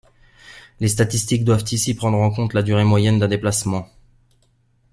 Les statistiques doivent ici prendre en compte la durée moyenne d'un déplacement.